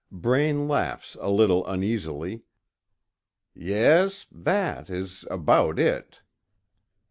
Braine laughs a little uneasily: "Yes, that is about it."